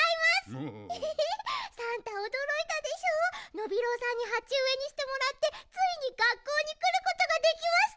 ノビローさんにはちうえにしてもらってついにがっこうにくることができました！